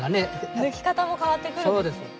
抜き方も変わってくるんですね。